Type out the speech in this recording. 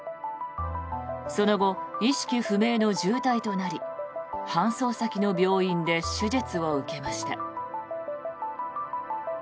その後、意識不明の重体となり搬送先の病院で手術を受けました。